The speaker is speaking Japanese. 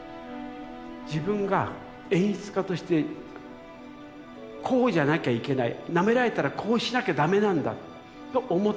自分が演出家としてこうじゃなきゃいけないなめられたらこうしなきゃダメなんだと思った。